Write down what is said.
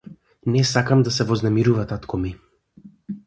Не сакам да се вознемирува татко ми.